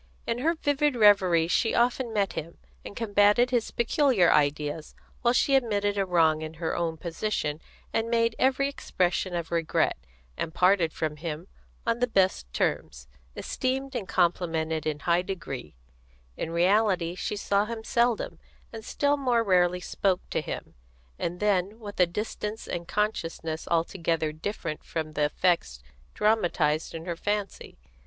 In her vivid reveries she often met him, and combated his peculiar ideas, while she admitted a wrong in her own position, and made every expression of regret, and parted from him on the best terms, esteemed and complimented in high degree; in reality she saw him seldom, and still more rarely spoke to him, and then with a distance and consciousness altogether different from the effects dramatised in her fancy.